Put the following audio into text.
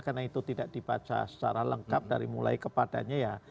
karena itu tidak dibaca secara lengkap dari mulai kepadanya ya